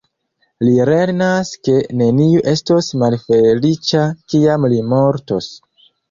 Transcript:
Li lernas ke neniu estos malfeliĉa kiam li mortos.